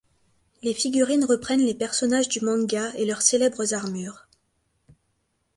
Les figurines reprennent les personnages du manga et leurs célèbres armures.